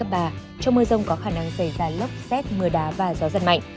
trong mưa rông có khả năng xảy ra lốc xét mưa đá và gió giật mạnh